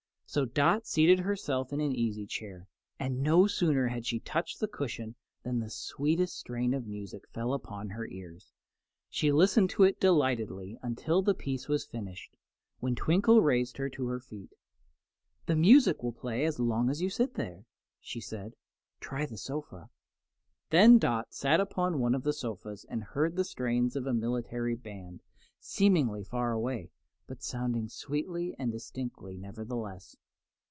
So Dot seated herself in an easy chair, and no sooner had she touched the cushions than the sweetest strains of music fell upon her ears. She listened to it delightedly until the piece was finished, when Twinkle raised her to her feet. "The music will play as long as you sit there," she said. "Try the sofa." Then Dot sat upon one of the sofas, and heard the strains of a military band, seemingly far away, but sounding sweetly and distinctly, nevertheless.